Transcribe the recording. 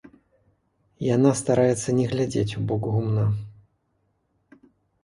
Яна стараецца не глядзець у бок гумна.